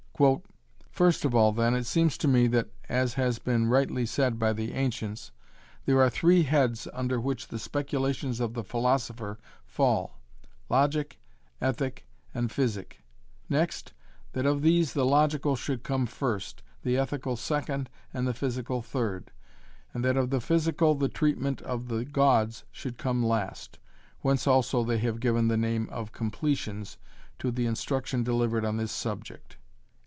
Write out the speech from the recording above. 'First of all then it seems to me that, as has been rightly said by the ancients, there are three heads under which the speculations of the philosopher fall, logic, ethic, physic; next, that of these the logical should come first, the ethical second, and the physical third, and that of the physical the treatment of the gods should come last, whence also they have given the name of "completions" to the instruction delivered on this subject'.